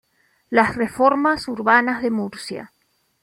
Las reformas urbanas de Murcia.